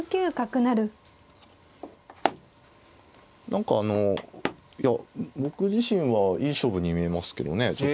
何かあのいや僕自身はいい勝負に見えますけどね。